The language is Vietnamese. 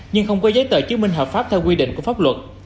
nhưng không có giấy tờ chứng minh hợp pháp theo quy định của pháp luật